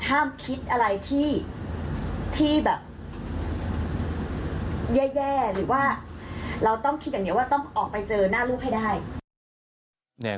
ห้ามคิดอะไรที่แบบแย่หรือว่าเราต้องคิดอย่างเดียวว่าต้องออกไปเจอหน้าลูกให้ได้